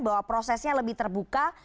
bahwa prosesnya lebih terbuka